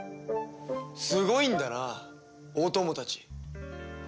すごいんだなお供たち。